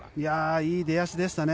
いい出足でしたね。